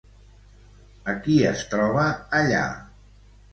A qui es troba allà?